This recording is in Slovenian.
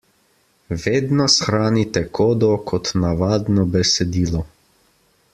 Vedno shranite kodo kot navadno besedilo.